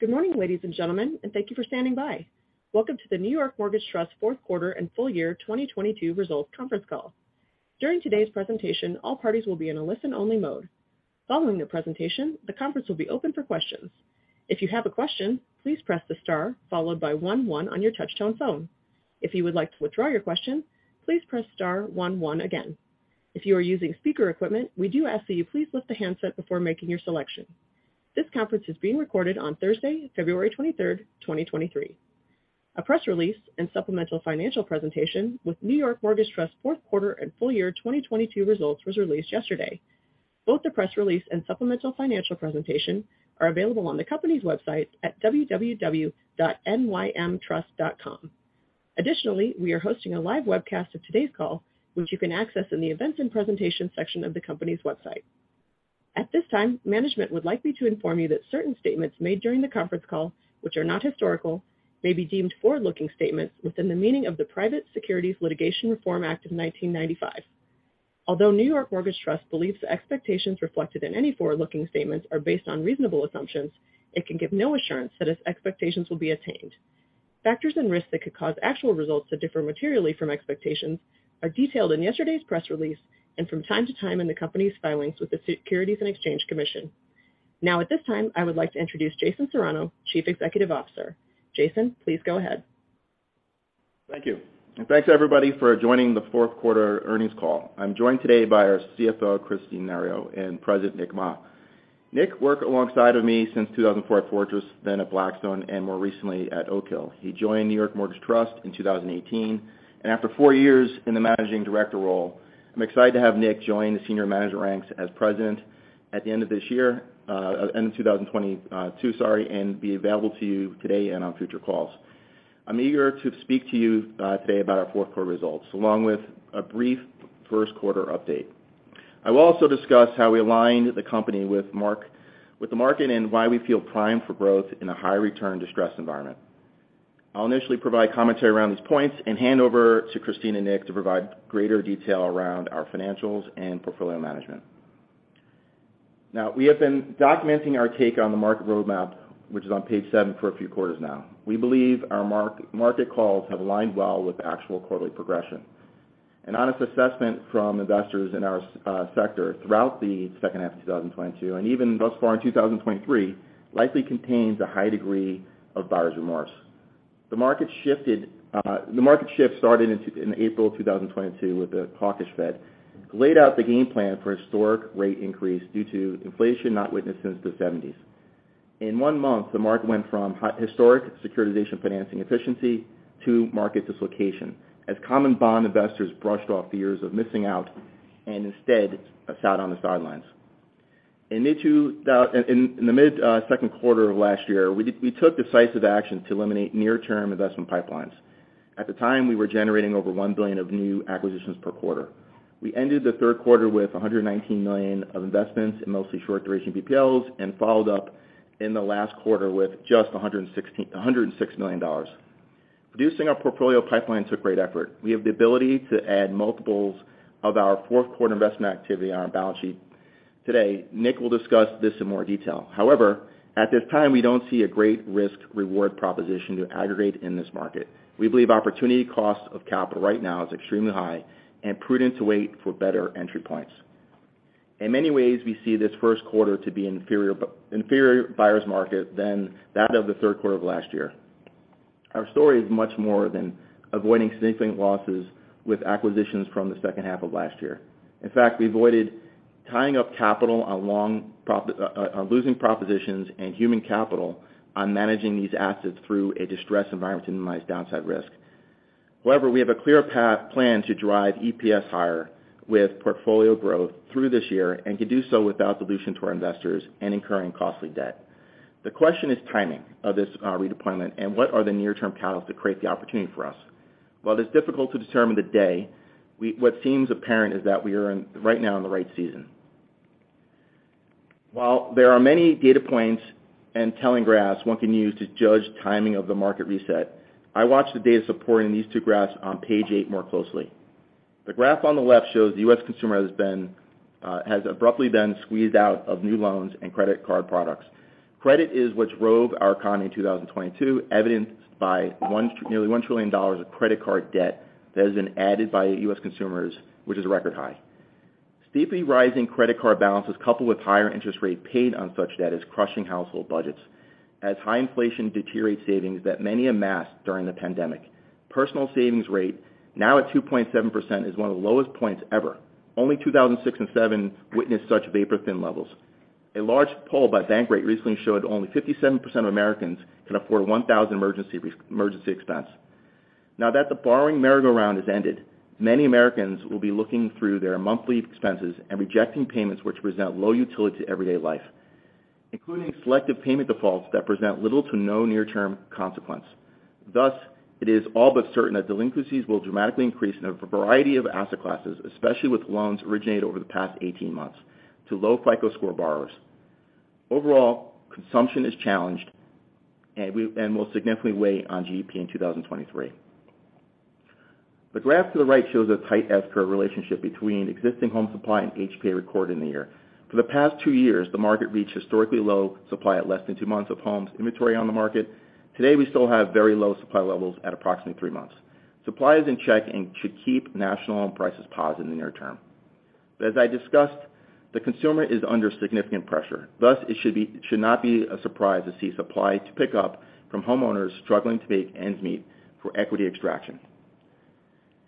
Good morning, ladies and gentlemen, and thank you for standing by. Welcome to the New York Mortgage Trust's fourth quarter and full year 2022 results conference call. During today's presentation, all parties will be in a listen-only mode. Following the presentation, the conference will be open for questions. If you have a question, please press the star followed by one one on your touchtone phone. If you would like to withdraw your question, please press star one one again. If you are using speaker equipment, we do ask that you please lift the handset before making your selection. This conference is being recorded on Thursday, February 23rd, 2023. A press release and supplemental financial presentation with New York Mortgage Trust fourth quarter and full year 2022 results was released yesterday. Both the press release and supplemental financial presentation are available on the company's website at www.nymtrust.com. Additionally, we are hosting a live webcast of today's call, which you can access in the Events and Presentations section of the company's website. At this time, management would like me to inform you that certain statements made during the conference call, which are not historical, may be deemed forward-looking statements within the meaning of the Private Securities Litigation Reform Act of 1995. Although New York Mortgage Trust believes the expectations reflected in any forward-looking statements are based on reasonable assumptions, it can give no assurance that its expectations will be attained. Factors and risks that could cause actual results to differ materially from expectations are detailed in yesterday's press release and from time to time in the company's filings with the Securities and Exchange Commission. At this time, I would like to introduce Jason Serrano, Chief Executive Officer. Jason, please go ahead. Thank you. Thanks, everybody, for joining the fourth quarter earnings call. I'm joined today by our CFO, Kristine Nario, and President Nic Mah. Nic worked alongside of me since 2004 at Fortress, then at Blackstone, and more recently at Oak Hill. He joined New York Mortgage Trust in 2018, and after four years in the managing director role, I'm excited to have Nic join the senior management ranks as President at the end of 2022, and be available to you, today and on future calls. I'm eager to speak to you today about our fourth quarter results, along with a brief first quarter update. I will also discuss how we aligned the company with the market and why we feel primed for growth in a high-return distressed environment. I'll initially provide commentary around these points and hand over to Kristine and Nic to provide greater detail around our financials and portfolio management. Now, we have been documenting our take on the market roadmap, which is on page seven, for a few quarters now. We believe our market calls have aligned well with actual quarterly progression. An honest assessment from investors in our sector throughout the second half of 2022, and even thus far in 2023, likely contains a high degree of buyer's remorse. The market shifted, the market shift started in April 2022 with a hawkish Fed, who laid out the game plan for historic rate increase due to inflation not witnessed since the 1970s. In one month, the market went from historic securitization financing efficiency to market dislocation as common bond investors brushed off fears of missing out and instead sat on the sidelines. In the mid second quarter of last year, we took decisive action to eliminate near-term investment pipelines. At the time, we were generating over $1 billion of new acquisitions per quarter. We ended the third quarter with $119 million of investments in mostly short-duration BPLs and followed up in the last quarter with just $106 million. Reducing our portfolio pipeline took great effort. We have the ability to add multiples of our fourth quarter investment activity on our balance sheet. Today, Nic will discuss this in more detail. At this time, we don't see a great risk-reward proposition to aggregate in this market. We believe opportunity cost of capital right now is extremely high and prudent to wait for better entry points. In many ways, we see this first quarter to be inferior buyer's market than that of the third quarter of last year. Our story is much more than avoiding significant losses with acquisitions from the second half of last year. In fact, we avoided tying up capital on long losing propositions and human capital on managing these assets through a distressed environment to minimize downside risk. We have a clear plan to drive EPS higher with portfolio growth through this year and can do so without dilution to our investors and incurring costly debt. The question is timing of this redeployment and what are the near-term catalysts to create the opportunity for us. While it's difficult to determine the day, what seems apparent is that we are right now in the right season. While there are many data points and telling graphs one can use to judge timing of the market reset, I watch the data supporting these two graphs on page eight more closely. The graph on the left shows the U.S. consumer has abruptly been squeezed out of new loans and credit card products. Credit is what drove our economy in 2022, evidenced by nearly $1 trillion of credit card debt that has been added by U.S. consumers, which is a record high. Steeply rising credit card balances coupled with higher interest rate paid on such debt is crushing household budgets as high inflation deteriorates savings that many amassed during the pandemic. Personal savings rate, now at 2.7%, is one of the lowest points ever. Only 2006 and 2007 witnessed such vapor-thin levels. A large poll by Bankrate recently showed only 57% of Americans can afford $1,000 emergency expense. Now that the borrowing merry-go-round has ended, many Americans will be looking through their monthly expenses and rejecting payments which present low utility to everyday life, including selective payment defaults that present little to no near-term consequence. It is all but certain that delinquencies will dramatically increase in a variety of asset classes, especially with loans originated over the past 18 months to low FICO score borrowers. Overall, consumption is challenged and will significantly weigh on GDP in 2023. The graph to the right shows a tight S-curve relationship between existing home supply and HPA recorded in the year. For the past two years, the market reached historically low supply at less than two months of homes inventory on the market. Today, we still have very low supply levels at approximately three months. Supply is in check and should keep national home prices positive in the near term. As I discussed, the consumer is under significant pressure, thus it should not be a surprise to see supply to pick up from homeowners struggling to make ends meet for equity extraction.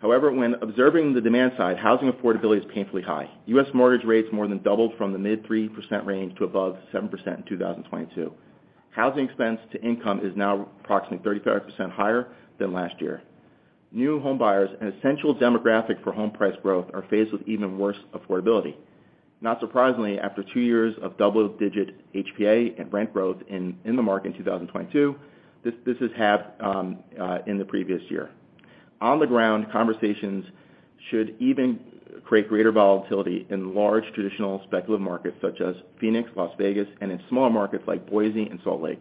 When observing the demand side, housing affordability is painfully high. US mortgage rates more than doubled from the mid 3% range to above 7% in 2022. Housing expense to income is now approximately 35% higher than last year. New home buyers, an essential demographic for home price growth, are faced with even worse affordability. Not surprisingly, after two years of double-digit HPA and rent growth in the market in 2022, this is halved in the previous year. On the ground, conversations should even create greater volatility in large traditional speculative markets such as Phoenix, Las Vegas, and in smaller markets like Boise and Salt Lake.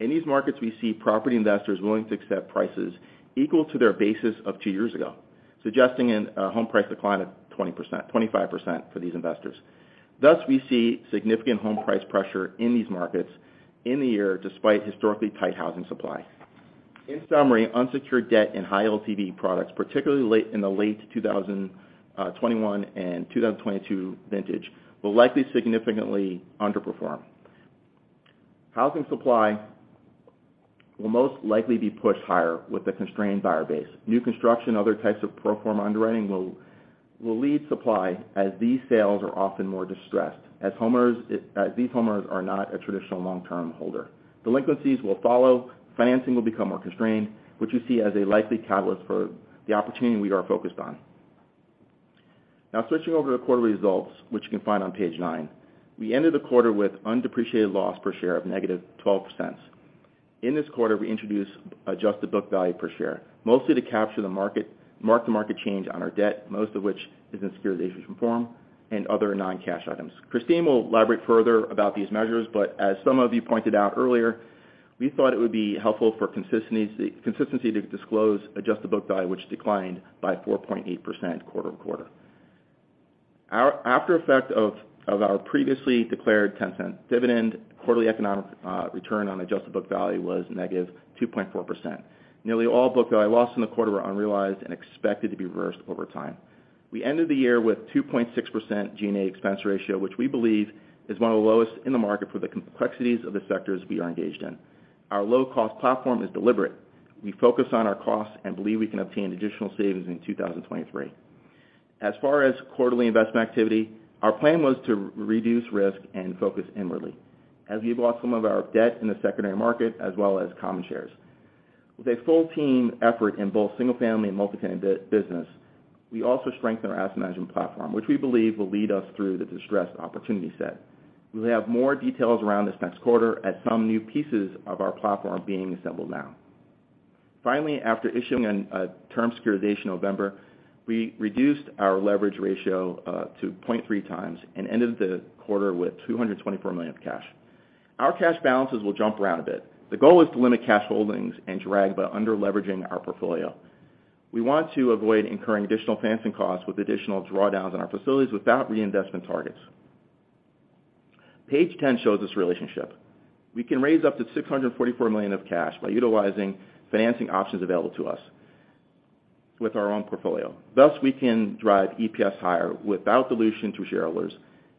In these markets, we see property investors willing to accept prices equal to their basis of two years ago, suggesting an home price decline of 20%-25% for these investors. We see significant home price pressure in these markets in the year, despite historically tight housing supply. In summary, unsecured debt and high LTV products, particularly in the late 2021 and 2022 vintage, will likely significantly underperform. Housing supply will most likely be pushed higher with a constrained buyer base. New construction and other types of pro forma underwriting will lead supply as these sales are often more distressed as these homers are not a traditional long-term holder. Delinquencies will follow. Financing will become more constrained, which we see as a likely catalyst for the opportunity we are focused on. Switching over to quarterly results, which you can find on page nine. We ended the quarter with undepreciated loss per share of -$0.12. In this quarter, we introduced adjusted book value per share, mostly to capture the mark-to-market change on our debt, most of which is in securitization form and other non-cash items. Kristine will elaborate further about these measures, as some of you pointed out earlier, we thought it would be helpful for consistency to disclose adjusted book value, which declined by 4.8% quarter-over-quarter. Our after effect of our previously declared $0.10 dividend, quarterly economic return on adjusted book value was -2.4%. Nearly all book value lost in the quarter were unrealized and expected to be reversed over time. We ended the year with 2.6% G&A expense ratio, which we believe is one of the lowest in the market for the complexities of the sectors we are engaged in. Our low-cost platform is deliberate. We focus on our costs and believe we can obtain additional savings in 2023. As far as quarterly investment activity, our plan was to reduce risk and focus inwardly as we bought some of our debt in the secondary market as well as common shares. With a full team effort in both single-family and multi-family business, we also strengthened our asset management platform, which we believe will lead us through the distressed opportunity set. We will have more details around this next quarter as some new pieces of our platform are being assembled now. Finally, after issuing an term securitization in November, we reduced our leverage ratio to 0.3x and ended the quarter with $224 million of cash. Our cash balances will jump around a bit. The goal is to limit cash holdings and drag by under-leveraging our portfolio. We want to avoid incurring additional financing costs with additional drawdowns in our facilities without reinvestment targets. Page 10 shows this relationship. We can raise up to $644 million of cash by utilizing financing options available to us with our own portfolio. We can drive EPS higher without dilution to shareholders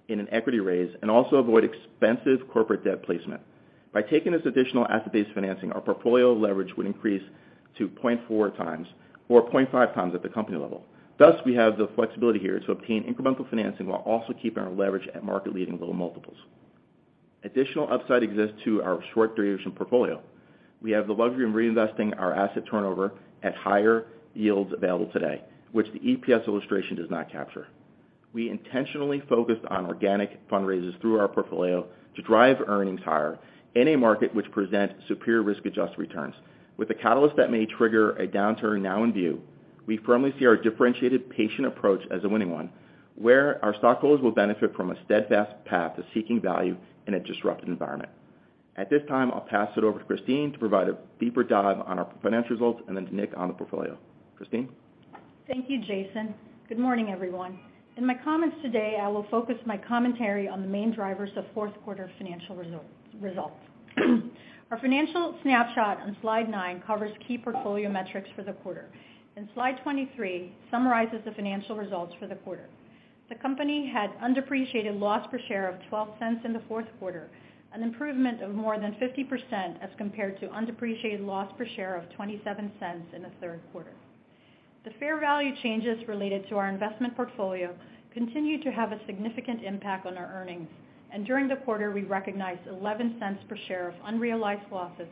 in an equity raise and also avoid expensive corporate debt placement. By taking this additional asset-based financing, our portfolio leverage would increase to 0.4x or 0.5x at the company level. We have the flexibility here to obtain incremental financing while also keeping our leverage at market-leading low multiples. Additional upside exists to our short duration portfolio. We have the luxury of reinvesting our asset turnover at higher yields available today, which the EPS illustration does not capture. We intentionally focused on organic fundraises through our portfolio to drive earnings higher in a market which presents superior risk-adjusted returns. With a catalyst that may trigger a downturn now in view, we firmly see our differentiated patient approach as a winning one, where our stockholders will benefit from a steadfast path to seeking value in a disrupted environment. At this time, I'll pass it over to Kristine to provide a deeper dive on our financial results and then to Nic on the portfolio. Kristine? Thank you, Jason. Good morning, everyone. In my comments today, I will focus my commentary on the main drivers of fourth quarter financial results. Our financial snapshot on slide nine covers key portfolio metrics for the quarter, and slide 23 summarizes the financial results for the quarter. The company had undepreciated loss per share of $0.12 in the fourth quarter, an improvement of more than 50% as compared to undepreciated loss per share of $0.27 in the third quarter. The fair value changes related to our investment portfolio continued to have a significant impact on our earnings. During the quarter, we recognized $0.11 per share of unrealized losses,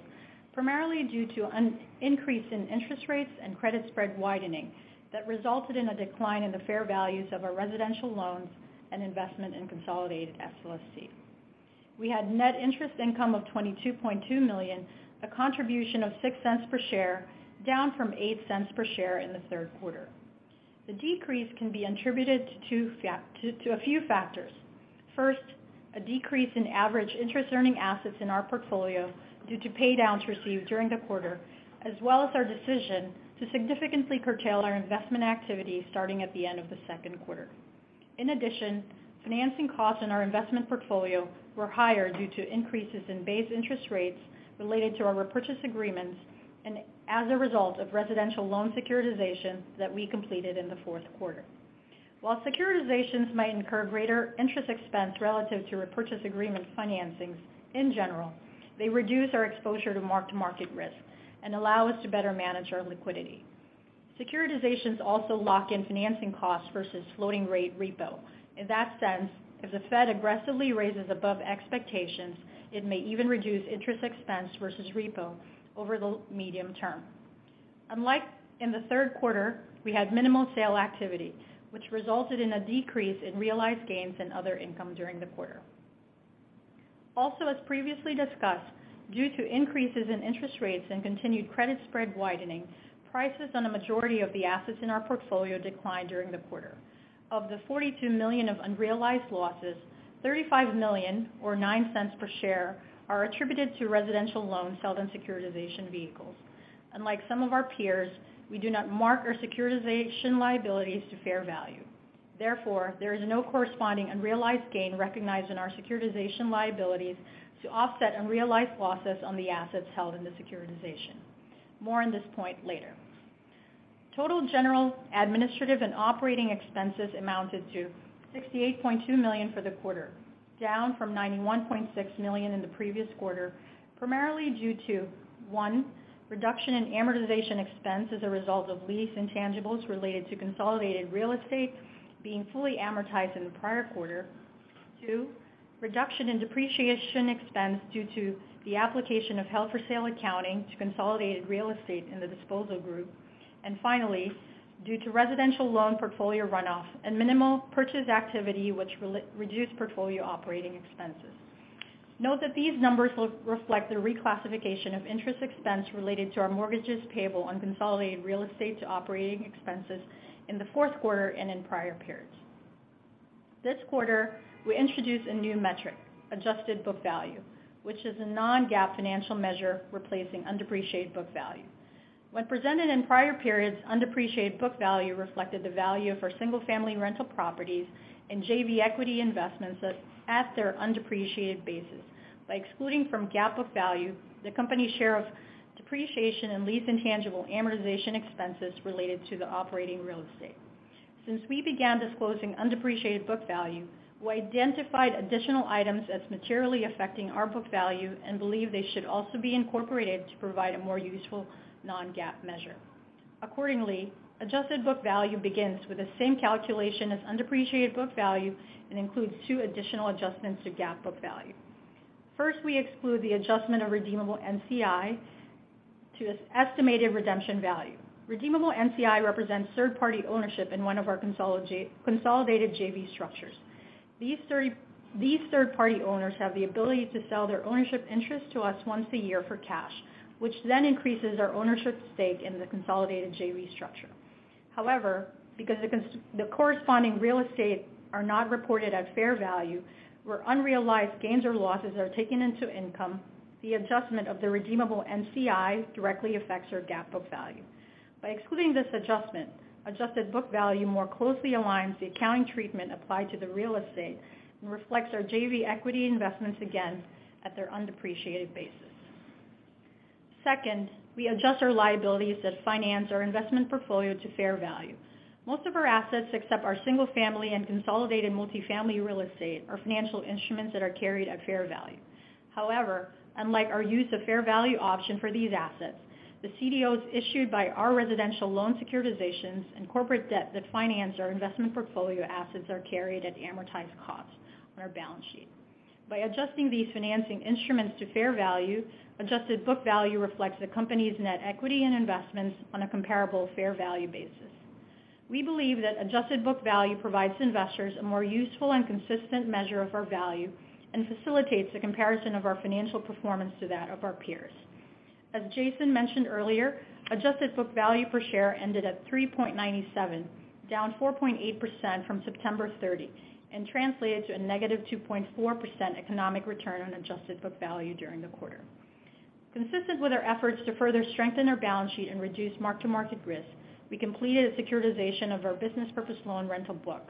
primarily due to an increase in interest rates and credit spread widening that resulted in a decline in the fair values of our residential loans and investment in Consolidated SLST. We had net interest income of $22.2 million, a contribution of $0.06 per share, down from $0.08 per share in the third quarter. The decrease can be attributed, to two, to a few factors. First, a decrease in average interest earning assets in our portfolio due to pay downs received during the quarter, as well as our decision to significantly curtail our investment activity starting at the end of the second quarter. In addition, financing costs in our investment portfolio were higher due to increases in base interest rates related to our repurchase agreements and as a result of residential loan securitization that we completed in the fourth quarter. While securitizations might incur greater interest expense relative to repurchase agreement financings, in general, they reduce our exposure to mark-to-market risk and allow us to better manage our liquidity. Securitizations lock in financing costs versus floating rate repo. In that sense, if the Fed aggressively raises above expectations, it may even reduce interest expense versus repo over the medium term. Unlike in the third quarter, we had minimal sale activity, which resulted in a decrease in realized gains and other income during the quarter. As previously discussed, due to increases in interest rates and continued credit spread widening, prices on a majority of the assets in our portfolio declined during the quarter. Of the $42 million of unrealized losses, $35 million or $0.09 per share are attributed to residential loans held in securitization vehicles. Unlike some of our peers, we do not mark our securitization liabilities to fair value. There is no corresponding unrealized gain recognized in our securitization liabilities to offset unrealized losses on the assets held in the securitization. More on this point later. Total general, administrative and operating expenses amounted to $68.2 million for the quarter, down from $91.6 million in the previous quarter, primarily due to, one, reduction in amortization expense as a result of lease intangibles related to consolidated real estate being fully amortized in the prior quarter. Two, reduction in depreciation expense due to the application of held for sale accounting to consolidated real estate in the disposal group. Finally, due to residential loan portfolio runoff and minimal purchase activity which reduce portfolio operating expenses. Note that these numbers will reflect the reclassification of interest expense related to our mortgages payable on consolidated real estate to operating expenses in the fourth quarter and in prior periods. This quarter, we introduced a new metric, adjusted book value, which is a non-GAAP financial measure replacing undepreciated book value. When presented in prior periods, undepreciated book value reflected the value of our single-family rental properties and JV equity investments at their undepreciated basis by excluding from GAAP book value the company's share of depreciation and lease intangible amortization expenses related to the operating real estate. Since we began disclosing undepreciated book value, we identified additional items as materially affecting our book value and believe they should also be incorporated to provide a more useful non-GAAP measure. Adjusted book value begins with the same calculation as undepreciated book value and includes two additional adjustments to GAAP book value. We exclude the adjustment of redeemable NCI to its estimated redemption value. Redeemable NCI represents third-party ownership in one of our consolidated JV structures. These third-party owners have the ability to sell their ownership interest to us once a year for cash, which then increases our ownership stake in the consolidated JV structure. However, because the corresponding real estate are not reported at fair value, where unrealized gains or losses are taken into income, the adjustment of the redeemable NCI directly affects our GAAP book value. By excluding this adjustment, adjusted book value more closely aligns the accounting treatment applied to the real estate and reflects our JV equity investments again at their undepreciated basis. Second, we adjust our liabilities that finance our investment portfolio to fair value. Most of our assets, except our single family and consolidated multifamily real estate, are financial instruments that are carried at fair value. Unlike our use of fair value option for these assets, the CDOs issued by our residential loan securitizations and corporate debt that finance our investment portfolio assets are carried at amortized cost on our balance sheet. By adjusting these financing instruments to fair value, adjusted book value reflects the company's net equity and investments on a comparable fair value basis. We believe that adjusted book value provides investors a more useful and consistent measure of our value and facilitates the comparison of our financial performance to that of our peers. As Jason mentioned earlier, adjusted book value per share ended at $3.97, down 4.8% from September 30, and translated to a -2.4% economic return on adjusted book value during the quarter. Consistent with our efforts to further strengthen our balance sheet and reduce mark-to-market risk, we completed a securitization of our business purpose loan rental book.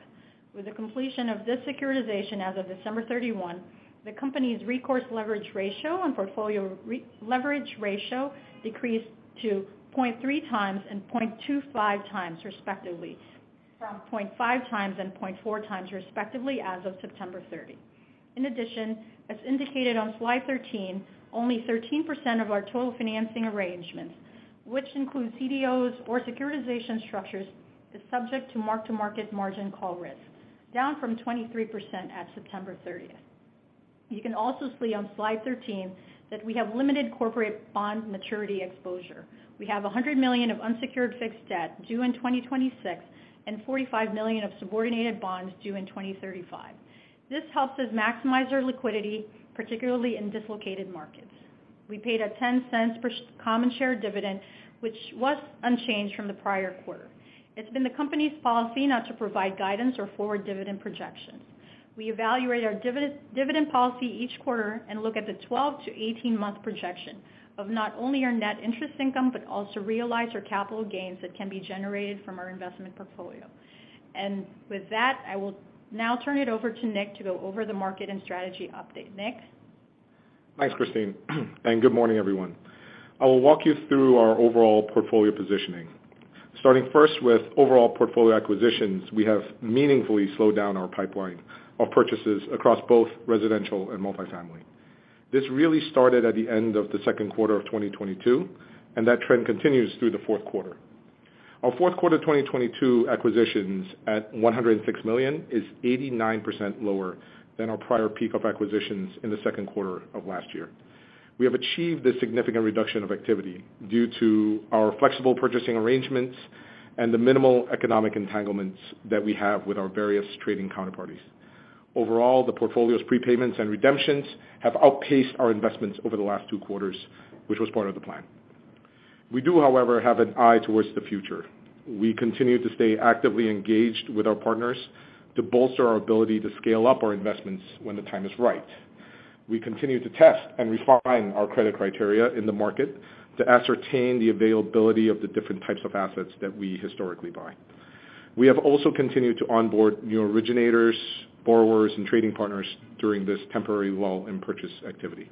With the completion of this securitization as of December 31, the company's recourse leverage ratio and portfolio re-leverage ratio decreased to 0.3x and 0.25x, respectively. From 0.5x and 0.4x, respectively, as of September 30. As indicated on slide 13, only 13% of our total financing arrangements, which includes CDOs or securitization structures, is subject to mark-to-market margin call risk, down from 23% at September 30th. You can also see on slide 13 that we have limited corporate bond maturity exposure. We have $100 million of unsecured fixed debt due in 2026 and $45 million of subordinated bonds due in 2035. This helps us maximize our liquidity, particularly in dislocated markets. We paid a $0.10 per common share dividend, which was unchanged from the prior quarter. It's been the company's policy not to provide guidance or forward dividend projections. We evaluate our dividend policy each quarter and look at the 12 to 18-month projection of not only our net interest income, but also realize our capital gains that can be generated from our investment portfolio. With that, I will now turn it over to Nic to go over the market and strategy update. Nic. Thanks, Kristine, good morning, everyone. I will walk you through our overall portfolio positioning. Starting first with overall portfolio acquisitions, we have meaningfully slowed down our pipeline of purchases across both residential and multifamily. This really started at the end of the second quarter of 2022, and that trend continues through the fourth quarter. Our fourth quarter 2022 acquisitions at $106 million is 89% lower than our prior peak of acquisitions in the second quarter of last year. We have achieved this significant reduction of activity due to our flexible purchasing arrangements and the minimal economic entanglements that we have with our various trading counterparties. Overall, the portfolio's prepayments and redemptions have outpaced our investments over the last two quarters, which was part of the plan. We do, however, have an eye towards the future. We continue to stay actively engaged with our partners to bolster our ability to scale up our investments when the time is right. We continue to test and refine our credit criteria in the market to ascertain the availability of the different types of assets that we historically buy. We have also continued to onboard new originators, borrowers, and trading partners during this temporary lull in purchase activity.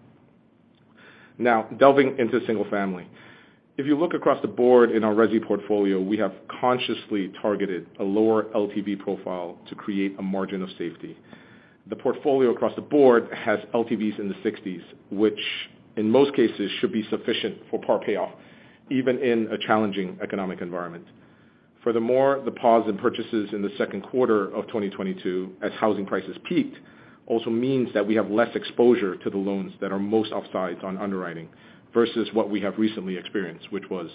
Delving into single family. If you look across the board in our resi portfolio, we have consciously targeted a lower LTV profile to create a margin of safety. The portfolio across the board has LTVs in the 60s, which in most cases should be sufficient for par payoff, even in a challenging economic environment. The pause in purchases in the second quarter of 2022 as housing prices peaked, also means that we have less exposure to the loans that are most offsides on underwriting versus what we have recently experienced, which was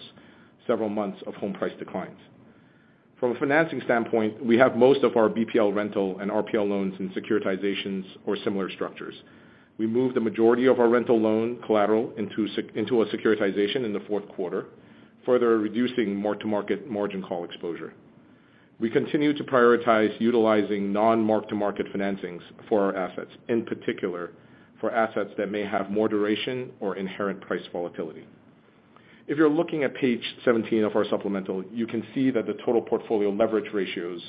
several months of home price declines. From a financing standpoint, we have most of our BPL rental and RPL loans in securitizations or similar structures. We moved the majority of our rental loan collateral into a securitization in the fourth quarter, further reducing mark-to-market margin call exposure. We continue to prioritize utilizing non-mark-to-market financings for our assets, in particular for assets that may have more duration or inherent price volatility. If you're looking at page 17 of our supplemental, you can see that the total portfolio leverage ratios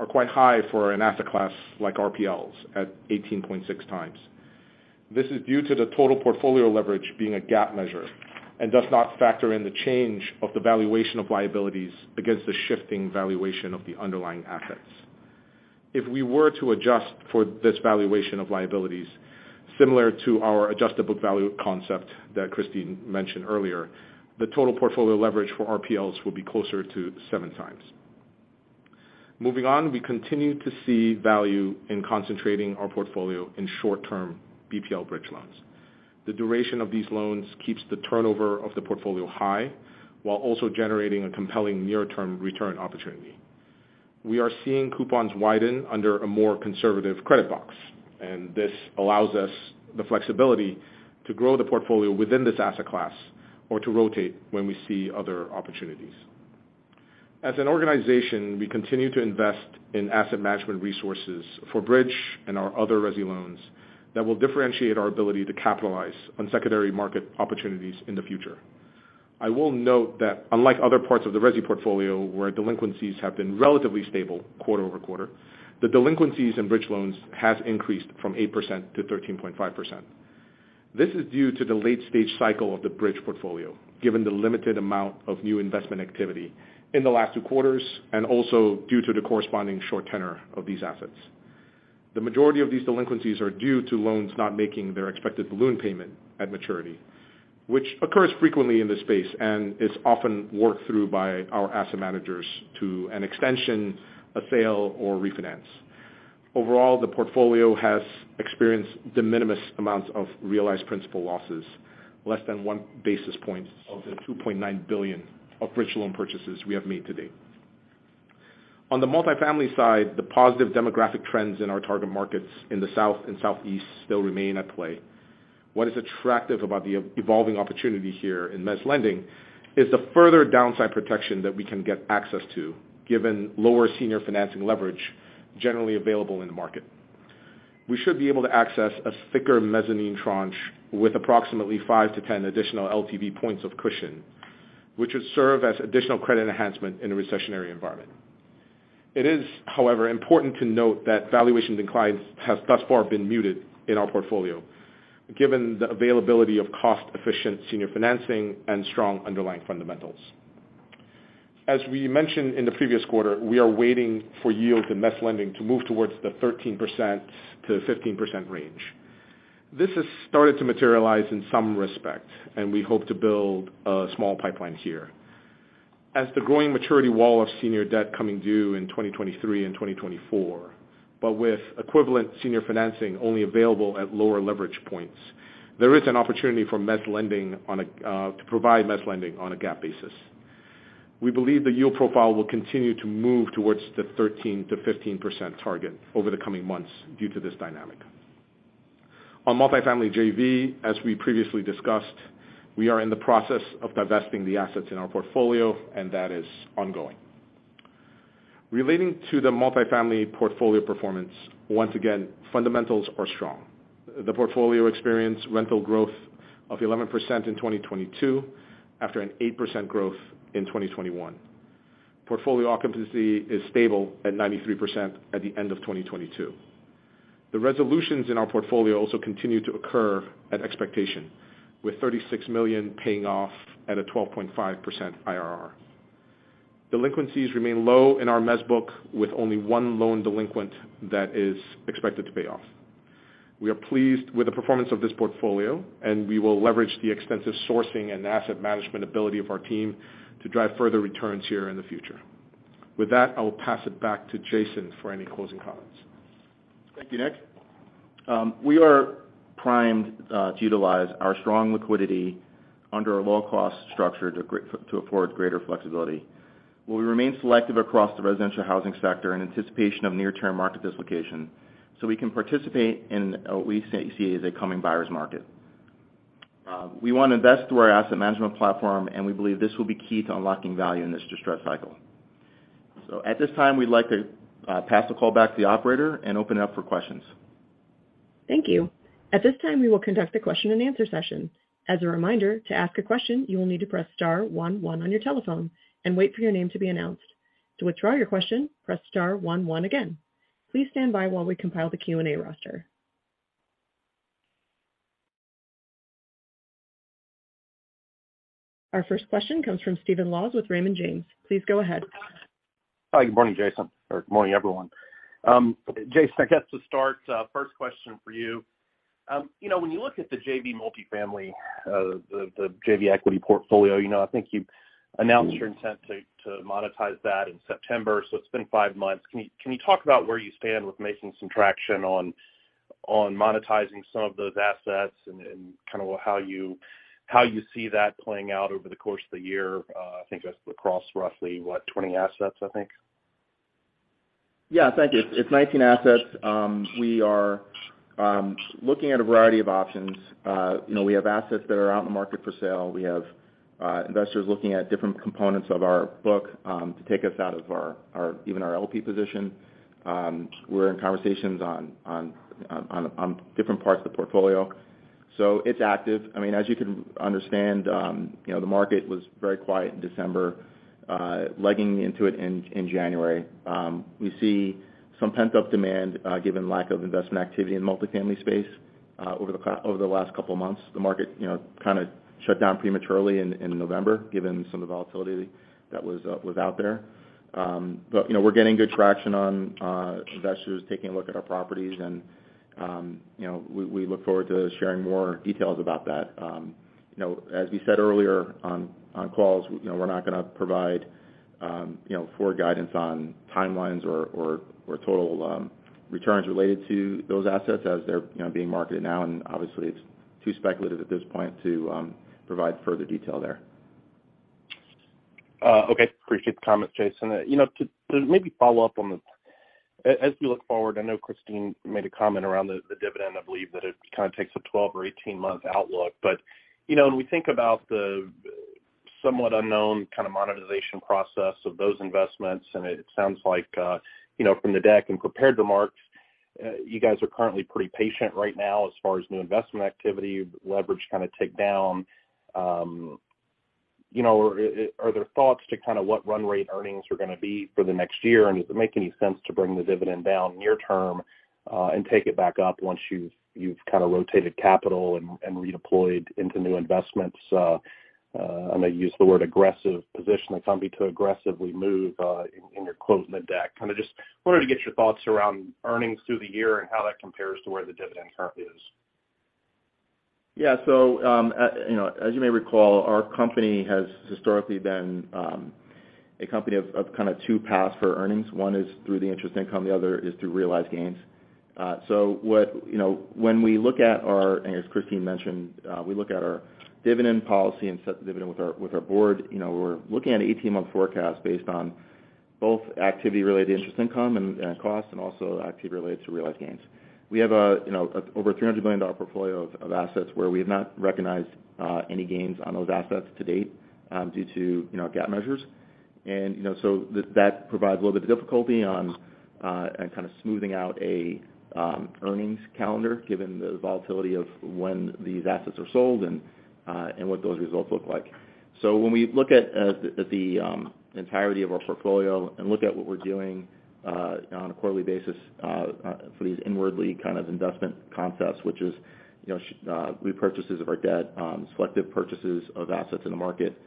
are quite high for an asset class like RPLs at 18.6x. This is due to the total portfolio leverage being a GAAP measure and does not factor in the change of the valuation of liabilities against the shifting valuation of the underlying assets. If we were to adjust for this valuation of liabilities, similar to our adjusted book value concept that Kristine mentioned earlier, the total portfolio leverage for RPLs would be closer to 7x. We continue to see value in concentrating our portfolio in short-term BPL-bridge loans. The duration of these loans keeps the turnover of the portfolio high while also generating a compelling near-term return opportunity. We are seeing coupons widen under a more conservative credit box. This allows us the flexibility to grow the portfolio within this asset class or to rotate when we see other opportunities. As an organization, we continue to invest in asset management resources for bridge and our other resi loans that will differentiate our ability to capitalize on secondary market opportunities in the future. I will note that unlike other parts of the resi portfolio where delinquencies have been relatively stable quarter-over-quarter, the delinquencies in bridge loans has increased from 8% to 13.5%. This is due to the late-stage cycle of the Bridge portfolio, given the limited amount of new investment activity in the last two quarters and also due to the corresponding short tenor of these assets. The majority of these delinquencies are due to loans not making their expected balloon payment at maturity, which occurs frequently in this space and is often worked through by our asset managers to an extension, a sale, or refinance. Overall, the portfolio has experienced de minimis amounts of realized principal losses, less than 1 basis point of the $2.9 billion of bridge loan purchases we have made to date. On the multifamily side, the positive demographic trends in our target markets in the South and Southeast still remain at play. What is attractive about the evolving opportunity here in mezz lending is the further downside protection that we can get access to, given lower senior financing leverage generally available in the market. We should be able to access a thicker mezzanine tranche with approximately 5-10 additional LTV points of cushion, which would serve as additional credit enhancement in a recessionary environment. It is, however, important to note that valuation declines has thus far been muted in our portfolio, given the availability of cost-efficient senior financing and strong underlying fundamentals. As we mentioned in the previous quarter, we are waiting for yield in mezz lending to move towards the 13%-15% range. This has started to materialize in some respect, and we hope to build a small pipeline here. As the growing maturity wall of senior debt coming due in 2023 and 2024, but with equivalent senior financing only available at lower leverage points, there is an opportunity to provide mezz lending on a GAAP basis. We believe the yield profile will continue to move towards the 13%-15% target over the coming months due to this dynamic. On multifamily JV, as we previously discussed, we are in the process of divesting the assets in our portfolio, and that is ongoing. Relating to the multifamily portfolio performance, once again, fundamentals are strong. The portfolio experienced rental growth of 11% in 2022 after an 8% growth in 2021. Portfolio occupancy is stable at 93% at the end of 2022. The resolutions in our portfolio also continue to occur at expectation, with $36 million paying off at a 12.5% IRR. Delinquencies remain low in our mezz book, with only one loan delinquent that is expected to pay off. We are pleased with the performance of this portfolio and we will leverage the extensive sourcing and asset management ability of our team to drive further returns here in the future. With that, I will pass it back to Jason for any closing comments. Thank you, Nic. We are primed to utilize our strong liquidity under a low-cost structure to afford greater flexibility. We'll remain selective across the residential housing sector in anticipation of near-term market dislocation, so we can participate in what we see as a coming buyer's market. We want to invest through our asset management platform, and we believe this will be key to unlocking value in this distressed cycle. At this time, we'd like to pass the call back to the operator and open it up for questions. Thank you. At this time, we will conduct the question-and-answer session. As a reminder, to ask a question, you will need to press star one one on your telephone and wait for your name to be announced. To withdraw your question, press star one one again. Please stand by while we compile the Q&A roster. Our first question comes from Stephen Laws with Raymond James. Please go ahead. Hi, good morning, Jason, or good morning, everyone. Jason, I guess to start, first question for you. You know, when you look at the JV multifamily, the JV equity portfolio, you know, I think you announced your intent to monetize that in September. It's been five months. Can you talk about where you stand with making some traction on monetizing some of those assets and kind of how you see that playing out over the course of the year? I think that's across roughly, what, 20 assets, I think. Yeah, thank you. It's 19 assets. We are looking at a variety of options. You know, we have assets that are out in the market for sale. We have investors looking at different components of our book, to take us out of our, even our, LP position. We're in conversations on different parts of the portfolio. It's active. I mean, as you can understand, you know, the market was very quiet in December, legging into it in January. We see some pent-up demand, given lack of investment activity in multifamily space, over the last couple of months. The market, you know, kind of shut down prematurely in November given some of the volatility that was out there. You know, we're getting good traction on investors taking a look at our properties and, you know, we look forward to sharing more details about that. You know, as we said earlier on calls, you know, we're not gonna provide, you know, forward guidance on timelines or, or total returns related to those assets as they're, you know, being marketed now. Obviously it's too speculative at this point to provide further detail there. Okay. Appreciate the comments, Jason. You know, maybe follow up on the, as we look forward, I know Kristine made a comment around the dividend. I believe that it kind of takes a 12 or 18-month outlook. You know, when we think about the somewhat unknown kind of monetization process of those investments, and it sounds like, you know, from the deck and prepared remarks, you guys are currently pretty patient right now as far as new investment activity, leverage kind of tick down. You know, are there thoughts to kind of what run rate earnings are gonna be for the next year? Does it make any sense to bring the dividend down near term, and take it back up once you've kind of rotated capital and redeployed into new investments? I may use the word aggressive position, a company to aggressively move, in your closing the deck. Kind of just wanted to get your thoughts around earnings through the year and how that compares to where the dividend currently is? Yeah. you know, as you may recall, our company has historically been a company of kind of two paths for earnings. One is through the interest income, the other is through realized gains. you know, when we look at, as Kristine mentioned, we look at our dividend policy and set the dividend with our board. You know, we're looking at 18-month forecast based on both activity related to interest income and costs and also activity related to realized gains. We have, you know, a, over $300 million portfolio of assets where we have not recognized any gains on those assets to date due to, you know, GAAP measures. You know, so that provides a little bit of difficulty on and kind of smoothing out a earnings calendar given the volatility of when these assets are sold and what those results look like. When we look at the entirety of our portfolio and look at what we're doing on a quarterly basis for these inwardly kind of investment concepts, which is, you know, repurchases of our debt, selective purchases of assets in the market,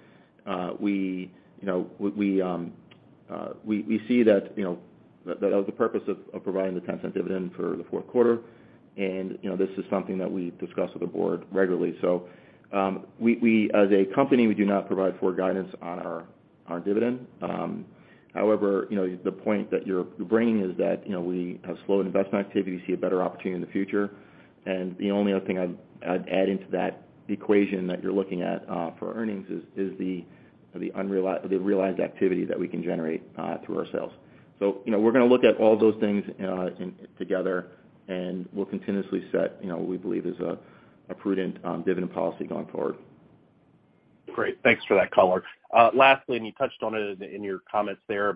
we, you know, we see that was the purpose of providing the $0.10 dividend for the fourth quarter and, you know, this is something that we discuss with the board regularly. We, as a company, we do not provide forward guidance on our dividend. However, you know, the point that you're bringing is that, you know, we have slowed investment activity to see a better opportunity in the future. The only other thing I'd add into that equation that you're looking at for earnings is the realized activity that we can generate through our sales. You know, we're gonna look at all those things together, and we'll continuously set, you know, what we believe is a prudent dividend policy going forward. Great. Thanks for that color. Lastly, you touched on it in your comments there,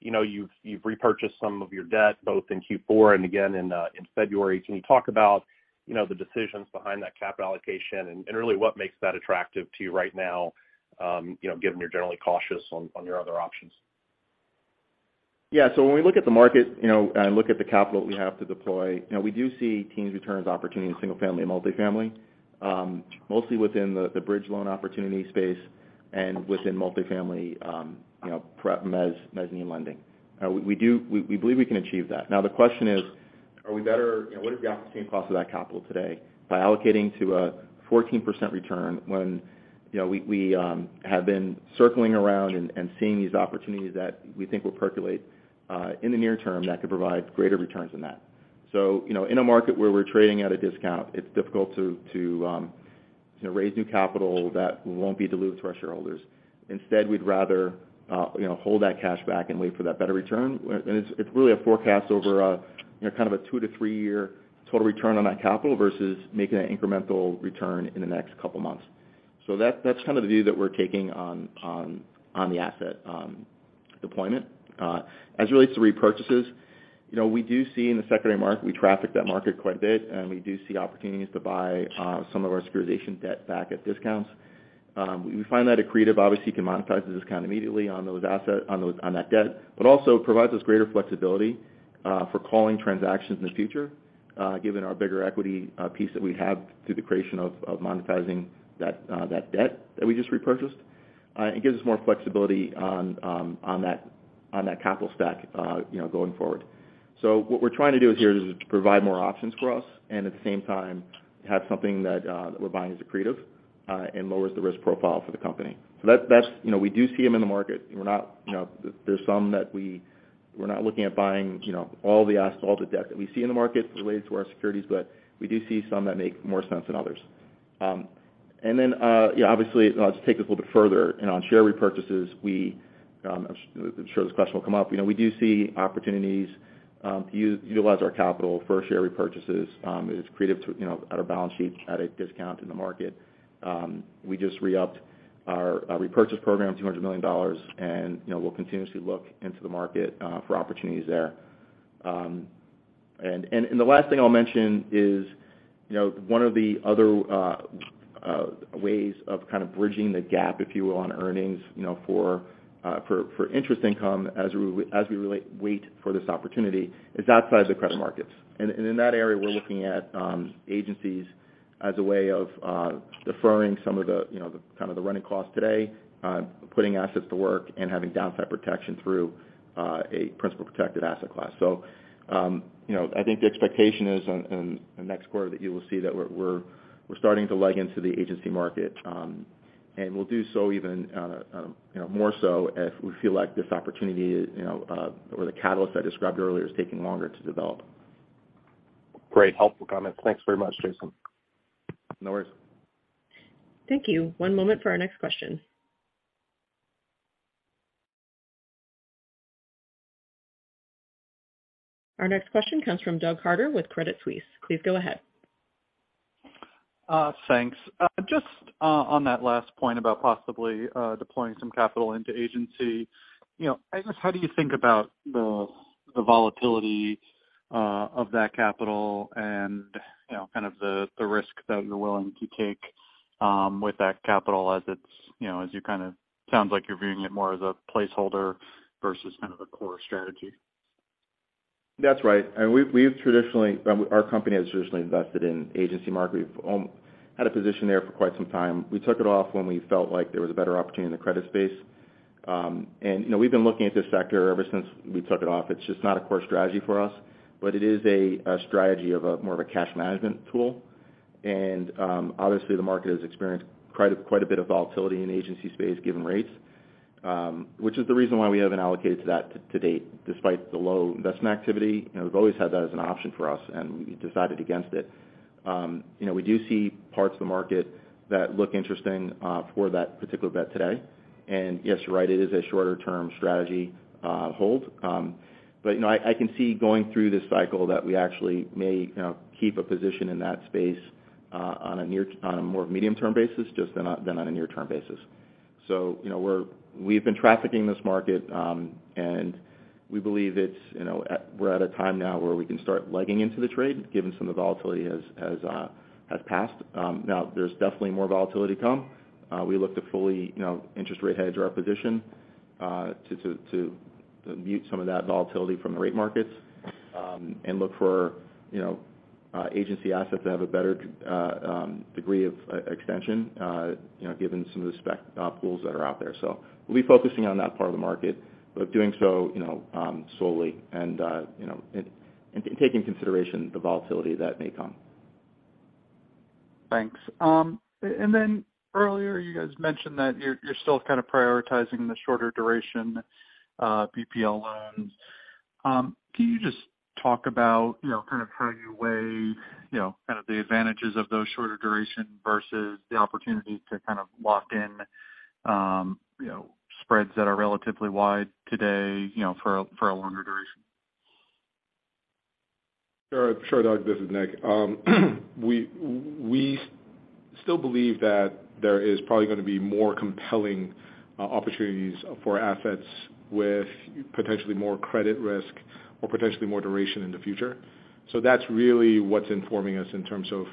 you know, you've repurchased some of your debt both in Q4 and again in February. Can you talk about, you know, the decisions behind that capital allocation and really what makes that attractive to you right now, you know, given you're generally cautious on your other options? When we look at the market, you know, and look at the capital that we have to deploy, you know, we do see teens returns opportunity in single-family and multifamily, mostly within the bridge loan opportunity space and within multifamily, you know, mezzanine lending. We believe we can achieve that. Now, the question is, You know, what is the opportunity cost of that capital today by allocating to a 14% return when, you know, we have been circling around and seeing these opportunities that we think will percolate in the near term that could provide greater returns than that. You know, in a market where we're trading at a discount, it's difficult to, you know, raise new capital that won't be dilutive to our shareholders. Instead, we'd rather, you know, hold that cash back and wait for that better return. It's really a forecast over you know, kind of a two to three-year total return on that capital versus making an incremental return in the next couple months. That's kind of the view that we're taking on the asset deployment. As it relates to repurchases, you know, we do see in the secondary mark, we traffic that market quite a bit, and we do see opportunities to buy some of our securitization debt back at discounts. We find that accretive, obviously, can monetize the discount immediately on those asset, on that debt, but also provides us greater flexibility for calling transactions in the future, given our bigger equity piece that we have through the creation of monetizing that debt that we just repurchased. It gives us more flexibility on that capital stack, you know, going forward. What we're trying to do here is provide more options for us and at the same time have something that we're buying as accretive and lowers the risk profile for the company. That's, you know, we do see them in the market. We're not, you know. There's some that we're not looking at buying, you know, all the debt that we see in the market related to our securities, but we do see some that make more sense than others. Yeah, obviously, I'll just take this a little bit further. You know, on share repurchases, we, I'm sure this question will come up. You know, we do see opportunities, utilize our capital for share repurchases, as accretive to, you know, at our balance sheet at a discount in the market. We just re-upped our repurchase program, $200 million, and, you know, we'll continuously look into the market for opportunities there. The last thing I'll mention is, you know, one of the other ways of kind of bridging the gap, if you will, on earnings, you know, for interest income as we wait for this opportunity, is outside the credit markets. In that area, we're looking at agencies as a way of deferring some of the, you know, the kind of the running costs today, putting assets to work and having downside protection through a principal protected asset class. I think the expectation is on next quarter that you will see that we're starting to leg into the agency market. We'll do so even, you know, more so, if we feel like this opportunity, you know, or the catalyst I described earlier is taking longer to develop. Great, helpful comments. Thanks very much, Jason. No worries. Thank you. One moment for our next question. Our next question comes from Doug Harter with Credit Suisse. Please go ahead. Thanks. just on that last point about possibly deploying some capital into agency, you know, I guess, how do you think about the volatility of that capital and, you know, kind of the risk that you're willing to take with that capital as it's, you know, sounds like you're viewing it more as a placeholder versus kind of a core strategy? That's right. I mean, our company has traditionally invested in agency market. We've had a position there for quite some time. We took it off when we felt like there was a better opportunity in the credit space. You know, we've been looking at this sector ever since we took it off. It's just not a core strategy for us. It is a strategy of more of a cash management tool. Obviously the market has experienced quite a bit of volatility in agency space given rates, which is the reason why we haven't allocated to that to date, despite the low investment activity. You know, we've always had that as an option for us, and we decided against it. You know, we do see parts of the market that look interesting, for that particular bet today. Yes, you're right, it is a shorter-term strategy, hold. You know, I can see going through this cycle that we actually may, you know, keep a position in that space, on a more medium-term basis just than on a near-term basis. You know, we've been trafficking this market, and we believe it's, you know, we're at a time now where we can start legging into the trade given some of the volatility has passed. There's definitely more volatility to come. We look to fully, you know, interest rate hedge our position, to mute some of that volatility from the rate markets, and look for, you know, agency assets that have a better degree of extension, you know, given some of the spec pools that are out there. We'll be focusing on that part of the market, but doing so, you know, solely and, you know, and take into consideration the volatility that may come. Thanks. Earlier you guys mentioned that you're still kind of prioritizing the shorter duration, BPL loans. Can you just talk about, you know, kind of how you weigh, you know, kind of the advantages of those shorter duration versus the opportunity to kind of lock in, you know, spreads that are relatively wide today, you know, for a longer duration? Sure. Sure, Doug, this is Nic. We still believe that there is probably gonna be more compelling opportunities for assets with potentially more credit risk or potentially more duration in the future. That's really what's informing us in terms of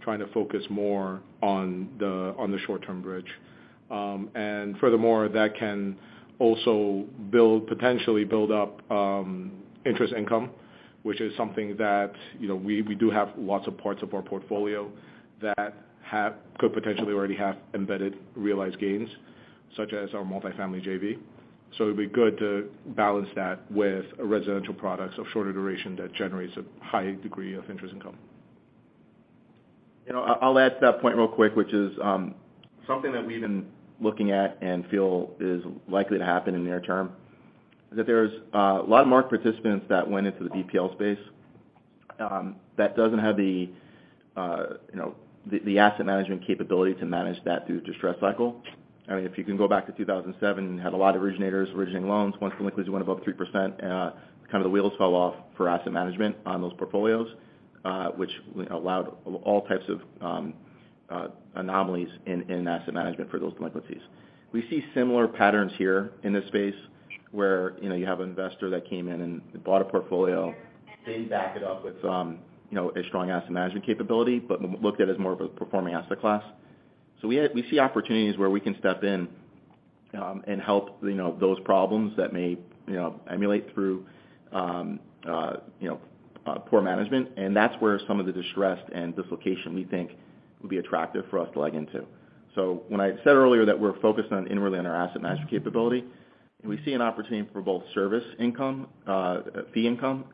trying to focus more on the, on the short-term bridge. Furthermore, that can also potentially build up interest income, which is something that, you know, we do have lots of parts of our portfolio that could potentially already have embedded realized gains, such as our multifamily JV. It'd be good to balance that with residential products of shorter duration that generates a high degree of interest income. You know, I'll add to that point real quick, which is, something that we've been looking at and feel is likely to happen in the near term, is that there's a lot of market participants that went into the BPL space, that doesn't have the, you know, the asset management capability to manage that through distress cycle. I mean, if you can go back to 2007, had a lot of originators originating loans. Once delinquencies went above 3%, kind of the wheels fell off for asset management on those portfolios, which allowed all types of anomalies in asset management for those delinquencies. We see similar patterns here in this space where, you know, you have an investor that came in and bought a portfolio, didn't back it up with, you know, a strong asset management capability, but looked at as more of a performing asset class. We see opportunities where we can step in and help, you know, those problems that may, you know, emulate through, you know, poor management. That's where some of the distressed and dislocation we think will be attractive for us to leg into. When I said earlier that we're focused on inwardly on our asset management capability, and we see an opportunity for both service income, fee income,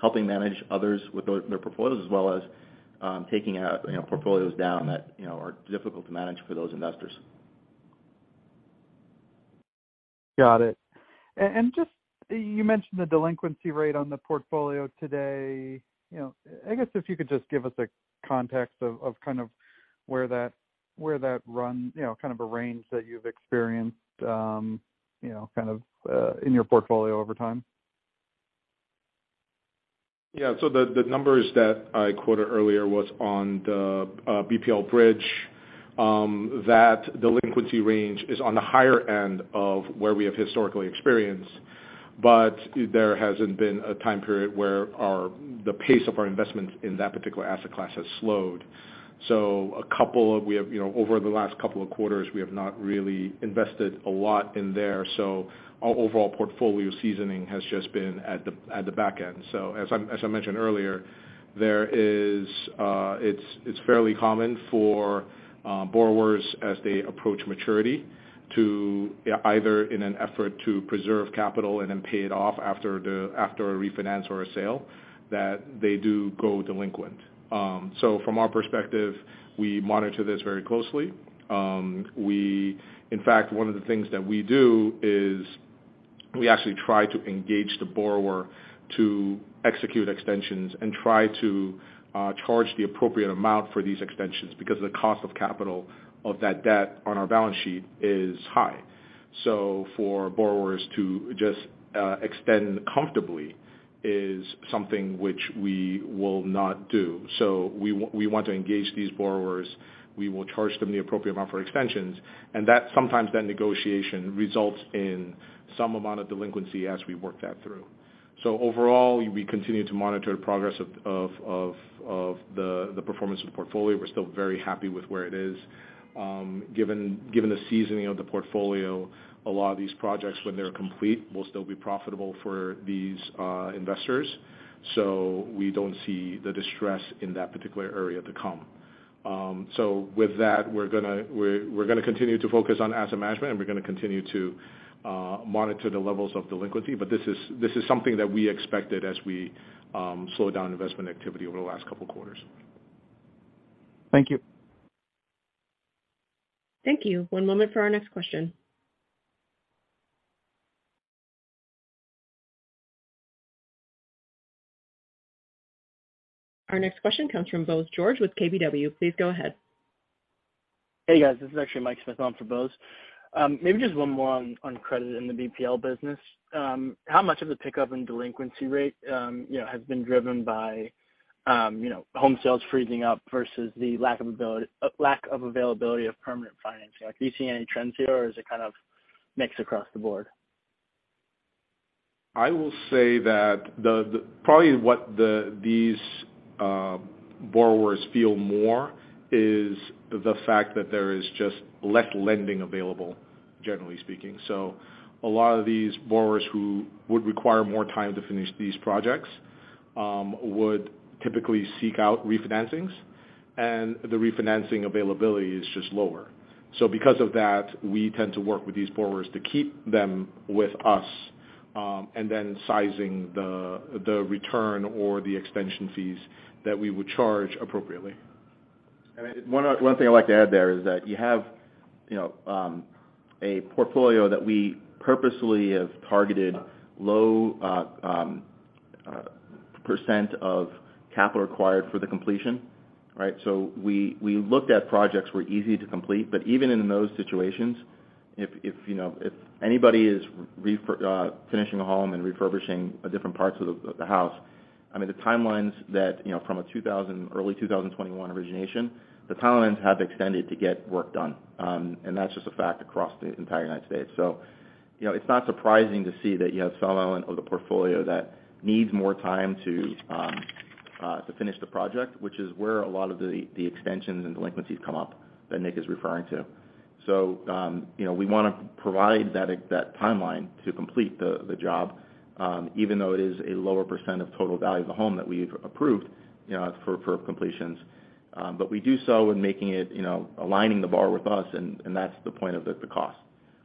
helping manage others with their portfolios, as well as, you know, taking, you know, portfolios down that, you know, are difficult to manage for those investors. Got it. Just, you mentioned the delinquency rate on the portfolio today. You know, I guess if you could just give us a context of kind of where that run, you know, kind of a range that you've experienced, you know, kind of in your portfolio over time? The numbers that I quoted earlier was on the BPL-bridge. That delinquency range is on the higher end of where we have historically experienced, but there hasn't been a time period where the pace of our investment in that particular asset class has slowed. A couple of, you know, over the last couple of quarters, we have not really invested a lot in there. Our overall portfolio seasoning has just been at the back end. As I mentioned earlier, it's fairly common for borrowers as they approach maturity to either in an effort to preserve capital and then pay it off after a refinance or a sale, that they do go delinquent. From our perspective, we monitor this very closely. In fact, one of the things that we do is we actually try to engage the borrower to execute extensions and try to charge the appropriate amount for these extensions because the cost of capital of that debt on our balance sheet is high. For borrowers to just extend comfortably is something which we will not do. We want to engage these borrowers. We will charge them the appropriate amount for extensions, and that sometimes that negotiation results in some amount of delinquency as we work that through. Overall, we continue to monitor the progress of the performance of the portfolio. We're still very happy with where it is. Given the seasoning of the portfolio, a lot of these projects when they're complete, will still be profitable for these investors. We don't see the distress in that particular area to come. With that, we're gonna continue to focus on asset management, and we're gonna continue to monitor the levels of delinquency. This is something that we expected as we slowed down investment activity over the last couple of quarters. Thank you. Thank you. One moment for our next question. Our next question comes from Bose George with KBW. Please go ahead. Hey, guys. This is actually Mike Smith on for Bose. Maybe just one more on credit in the BPL business. How much of the pickup in delinquency rate, you know, has been driven by, you know, home sales freezing up versus the lack of availability of permanent financing? Like, do you see any trends here, or is it kind of mixed across the board? I will say that what these borrowers feel more is the fact that there is just less lending available, generally speaking. A lot of these borrowers who would require more time to finish these projects would typically seek out refinancings, and the refinancing availability is just lower. Because of that, we tend to work with these borrowers to keep them with us, and then sizing the return or the extension fees that we would charge appropriately. One thing I'd like to add there is that you have, you know, a portfolio that we purposely have targeted low percent of capital required for the completion, right? We looked at projects were easy to complete, but even in those situations, if anybody is finishing a home and refurbishing different parts of the house, I mean, the timelines that, you know, from an early 2021 origination, the timelines have extended to get work done. That's just a fact across the entire United States. You know, it's not surprising to see that you have a small element of the portfolio that needs more time to finish the project, which is where a lot of the extensions and delinquencies come up that Nic is referring to. You know, we wanna provide that timeline to complete the job, even though it is a lower percentage of total value of the home that we've approved, you know, for completions. We do so in making it, you know, aligning the bar with us, and that's the point of the cost,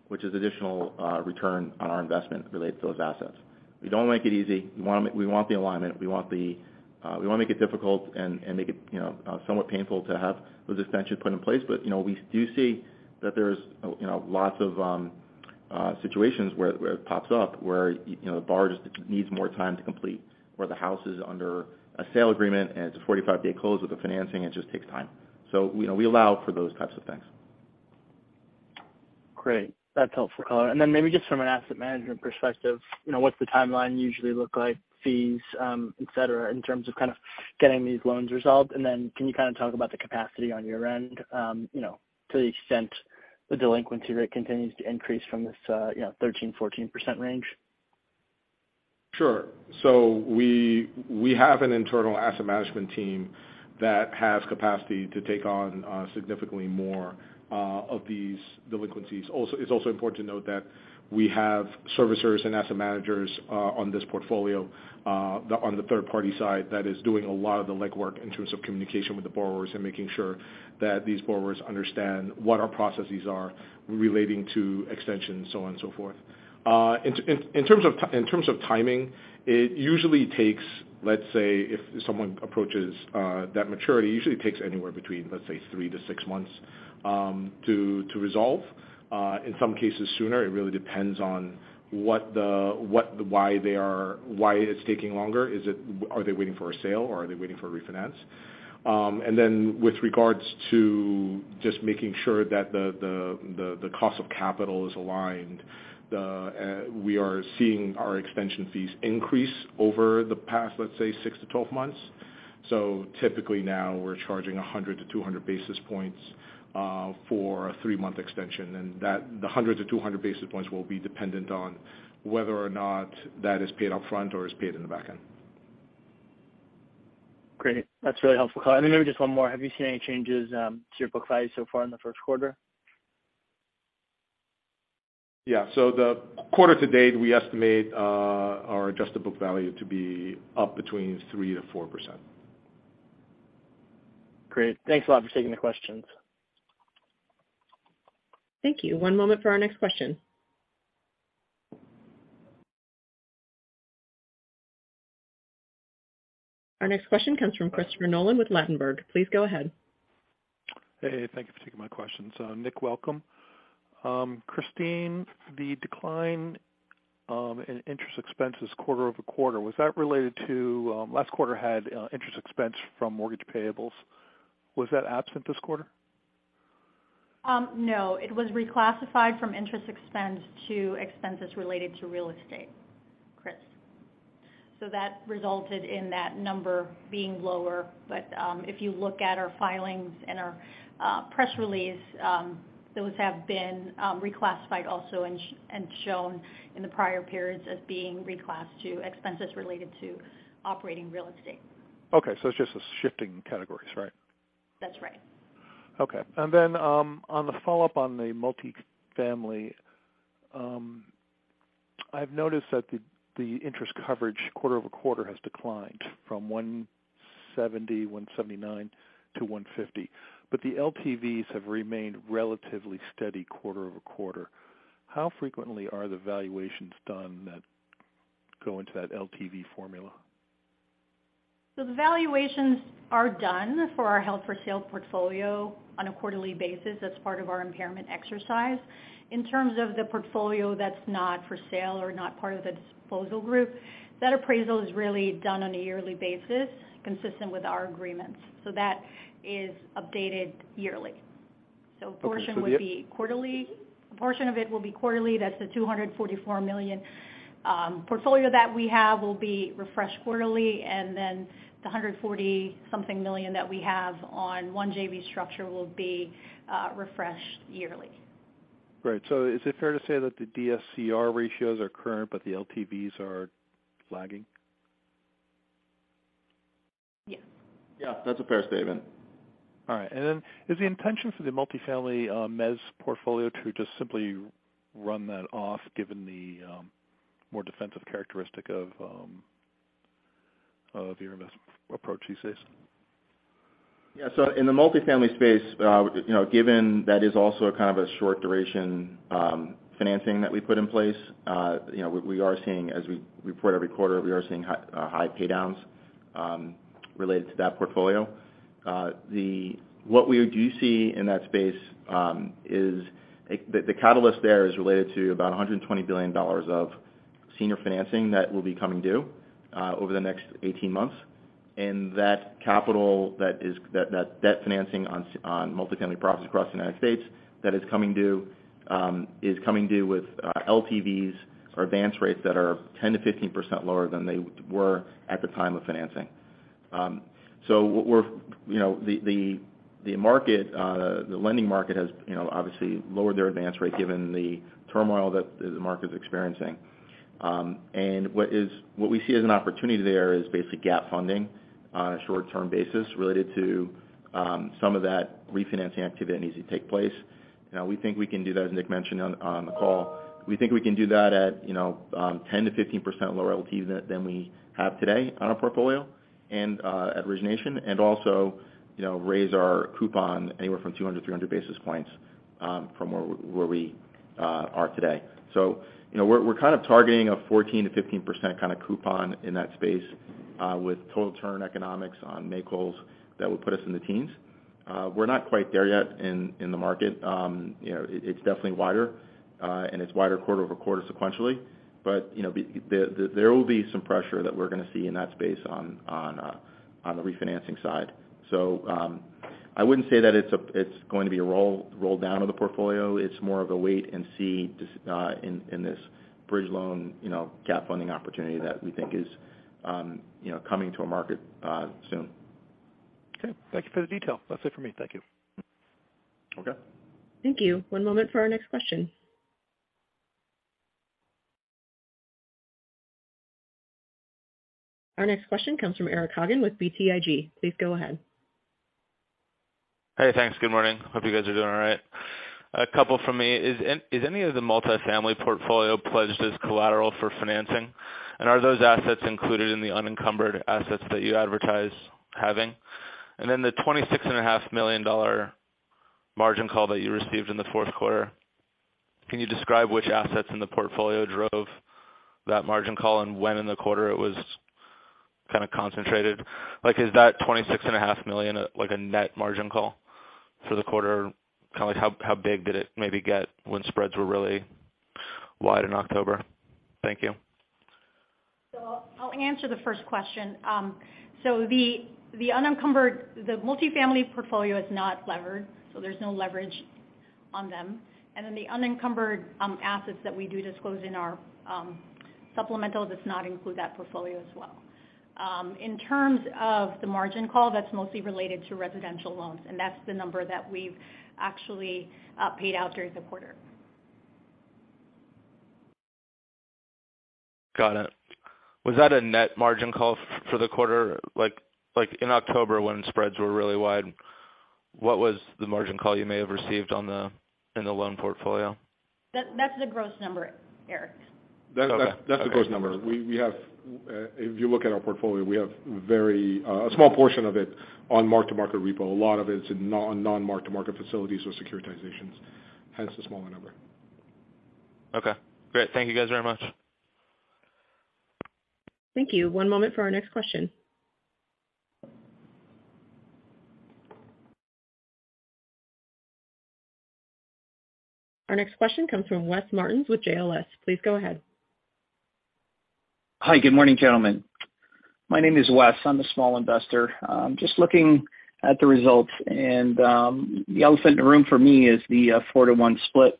which is additional return on our investment related to those assets. We don't make it easy. We want the alignment, we want the, we wanna make it difficult and make it, you know, somewhat painful to have those extensions put in place. You know, we do see that there's, you know, lots of situations where it pops up, where you know, the borrower just needs more time to complete, or the house is under a sale agreement, and it's a 45-day close with the financing, it just takes time. You know, we allow for those types of things. Great. That's helpful color. Maybe just from an asset management perspective, you know, what's the timeline usually look like, fees, et cetera, in terms of kind of getting these loans resolved? Can you kind of talk about the capacity on your end, you know, to the extent the delinquency rate continues to increase from this, you know, 13%-14% range? Sure. We have an internal asset management team that has capacity to take on significantly more of these delinquencies. Also, it's also important to note that we have servicers and asset managers on this portfolio on the third party side that is doing a lot of the legwork in terms of communication with the borrowers and making sure that these borrowers understand what our processes are relating to extensions, so on and so forth. In terms of timing, it usually takes, let's say, if someone approaches that maturity, it usually takes anywhere between, let's say, three to six months to resolve. In some cases sooner. It really depends on what the, why they are, why it's taking longer. Is it, are they waiting for a sale or are they waiting for a refinance? Then with regards to just making sure that the cost of capital is aligned, we are seeing our extension fees increase over the past, let's say, six to 12 months. Typically now we're charging 100 to 200 basis points, for a three-month extension, and the 100 to 200 basis points will be dependent on whether or not that is paid up front or is paid in the back end. Great. That's really helpful. Maybe just one more. Have you seen any changes, to your book value so far in the first quarter? Yeah. The quarter to date, we estimate our adjusted book value to be up between 3%-4%. Great. Thanks a lot for taking the questions. Thank you. One moment for our next question. Our next question comes from Christopher Nolan with Ladenburg. Please go ahead. Hey, thank you for taking my questions. Nic, welcome. Kristine, the decline in interest expenses quarter-over-quarter, was that related to last quarter had interest expense from mortgage payables? Was that absent this quarter? No, it was reclassified from interest expense to expenses related to real estate, Chris. That resulted in that number being lower. If you look at our filings and our press release, those have been reclassified also and shown in the prior periods as being reclassed to expenses related to operating real estate. Okay. It's just a shifting categories, right? That's right. Okay. On the follow-up on the multifamily, I've noticed that the interest coverage quarter-over-quarter has declined from 1.70, 1.79 to 1.50, but the LTVs have remained relatively steady quarter-over-quarter. How frequently are the valuations done that go into that LTV formula? The valuations are done for our held-for-sale portfolio on a quarterly basis as part of our impairment exercise. In terms of the portfolio that's not for sale or not part of the disposal group, that appraisal is really done on a yearly basis, consistent with our agreements. That is updated yearly. Okay. A portion would be quarterly. A portion of it will be quarterly. That's the $244 million portfolio that we have will be refreshed quarterly, the $140-something million that we have on one JV structure will be refreshed yearly. Right. Is it fair to say that the DSCR ratios are current, but the LTVs are lagging? Yeah, that's a fair statement. All right. Is the intention for the multifamily, mezz portfolio to just simply run that off given the, more defensive characteristic of, of your invest approach these days. Yeah. In the multifamily space, you know, given that is also a kind of a short duration, financing that we put in place, you know, we are seeing as we report every quarter, we are seeing high, high pay downs, related to that portfolio. What we do see in that space is the catalyst there is related to about $120 billion of senior financing that will be coming due, over the next 18 months. That capital that debt financing on multifamily properties across the United States that is coming due, is coming due with LTVs or advance rates that are 10%-15% lower than they were at the time of financing. What we're, you know, the market, the lending market has, you know, obviously lowered their advance rate given the turmoil that the market is experiencing. What we see as an opportunity there is basically gap funding on a short-term basis related to some of that refinancing activity that needs to take place. You know, we think we can do that, as Nic mentioned on the call. We think we can do that at, you know, 10%-15% lower LTV than we have today on our portfolio and at origination. Also, you know, raise our coupon anywhere from 200-300 basis points, from where we are today. You know, we're kind of targeting a 14%-15% kind of coupon in that space, with total return economics on make-wholes that would put us in the teens. We're not quite there yet in the market. You know, it's definitely wider, and it's wider quarter-over-quarter sequentially. You know, the there will be some pressure that we're gonna see in that space on the refinancing side. I wouldn't say that it's going to be a roll down of the portfolio. It's more of a wait and see in this bridge loan, you know, gap funding opportunity that we think is, you know, coming to a market soon. Okay. Thank you for the detail. That's it for me. Thank you. Okay. Thank you. One moment for our next question. Our next question comes from Eric Hagen with BTIG. Please go ahead. Hey, thanks. Good morning. Hope you guys are doing all right. A couple from me. Is any of the multifamily portfolio pledged as collateral for financing? Are those assets included in the unencumbered assets that you advertise having? Then $26.5 million margin call that you received in the fourth quarter, can you describe which assets in the portfolio drove that margin call and when in the quarter it was kind of concentrated? Like, is that $26.5 million, like, a net margin call for the quarter? Kinda like how big did it maybe get when spreads were really wide in October? Thank you. I'll answer the first question. The unencumbered multifamily portfolio is not levered, so there's no leverage on them. The unencumbered assets that we do disclose in our supplemental, does not include that portfolio as well. In terms of the margin call, that's mostly related to residential loans, and that's the number that we've actually paid out during the quarter. Got it. Was that a net margin call for the quarter? Like in October, when spreads were really wide, what was the margin call you may have received on the loan portfolio? That's the gross number, Eric. That's the gross number. We have, if you look at our portfolio, we have very a small portion of it on mark-to-market repo. A lot of it's in non-mark-to-market facilities or securitizations, hence the smaller number. Okay, great. Thank you guys very much. Thank you. One moment for our next question. Our next question comes from Wes Martins with JLS. Please go ahead. Hi, good morning, gentlemen. My name is Wes. I'm a small investor. Just looking at the results and the elephant in the room for me is the four-to-one split.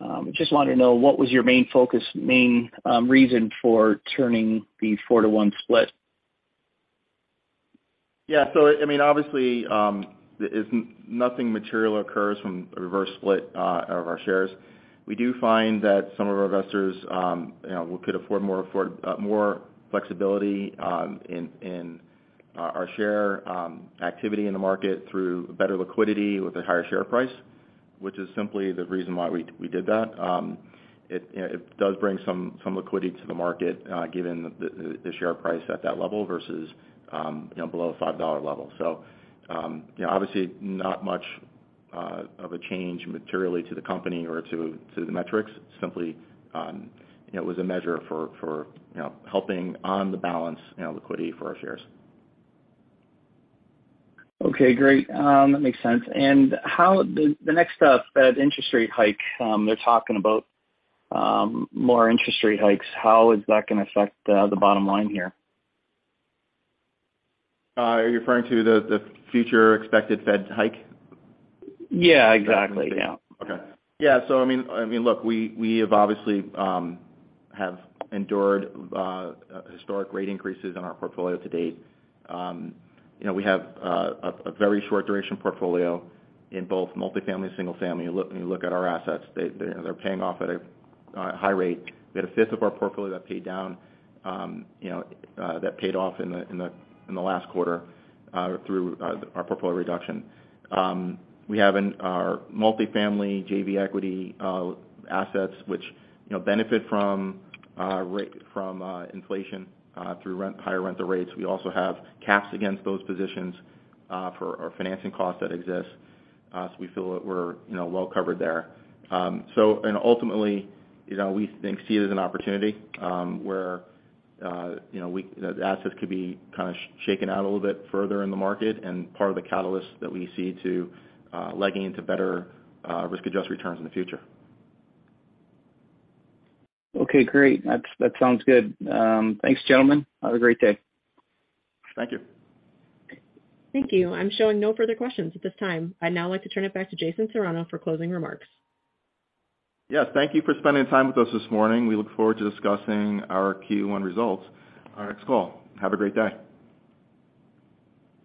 I just wanted to know what was your main focus, main reason for turning the four-to-one split? Yeah. I mean, obviously, nothing material occurs from a reverse split of our shares. We do find that some of our investors, you know, could afford more flexibility in our share activity in the market through better liquidity with a higher share price, which is simply the reason why we did that. It, you know, it does bring some liquidity to the market, given the share price at that level versus, you know, below a $5 level. You know, obviously, not much of a change materially to the company or to the metrics. Simply, you know, it was a measure for helping on the balance, you know, liquidity for our shares. Okay, great. That makes sense. The next Fed interest rate hike, they're talking about more interest rate hikes. How is that gonna affect the bottom line here? Are you referring to the future expected Fed hike? Yeah, exactly. Yeah. I mean, look, we have obviously, have endured historic rate increases in our portfolio to date. You know, we have a very short duration portfolio in both multifamily, single family. When you look at our assets, they're paying off at a high rate. We had a fifth of our portfolio that paid down, you know, that paid off in the last quarter through our portfolio reduction. We have in our multifamily JV equity assets, which, you know, benefit from inflation through rent, higher rental rates. We also have caps against those positions for our financing costs that exist. We feel that we're, you know, well covered there. Ultimately, you know, we think see it as an opportunity, where, you know, the assets could be kind of shaken out a little bit further in the market and part of the catalyst that we see to legging into better risk-adjusted returns in the future. Okay, great. That sounds good. Thanks, gentlemen. Have a great day. Thank you. Thank you. I'm showing no further questions at this time. I'd now like to turn it back to Jason Serrano for closing remarks. Yes. Thank you for spending time with us this morning. We look forward to discussing our Q1 results on our next call. Have a great day.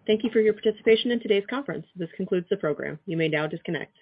Thank you for your participation in today's conference. This concludes the program. You may now disconnect.